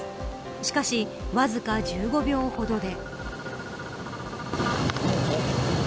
しかし、わずか１５秒ほどで。